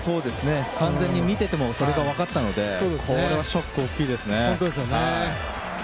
完全に見てても分かったのでショック大きいですね。